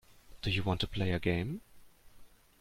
Do you want to play a game.